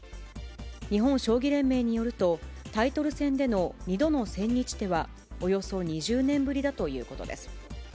日本将棋連盟によると、タイトル戦での２度の千日手は、およそ２０年ぶりだということです。